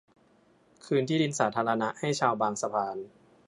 คืนที่ดินสาธารณะให้ชาวบางสะพาน